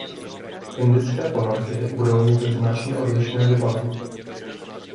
Indické ponorky budou mít značně odlišné vybavení.